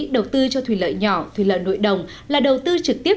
đầu tư cho thủy lợi nhỏ thủy lợi nội đồng là đầu tư trực tiếp